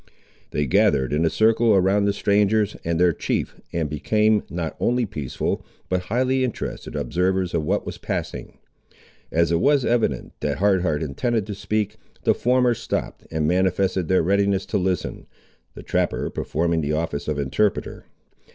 They gathered in a circle around the strangers and their chief, and became not only peaceful, but highly interested observers of what was passing. As it was evident that Hard Heart intended to speak, the former stopped, and manifested their readiness to listen, the trapper performing the office of interpreter.